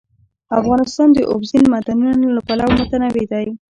افغانستان د اوبزین معدنونه له پلوه متنوع دی.